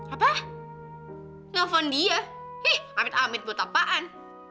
apa telepon dia hih amit amit buat apaan